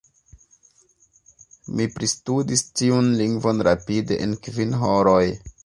Mi pristudis tiun lingvon rapide en kvin horoj!